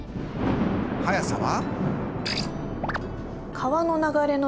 速さは？